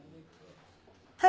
はい。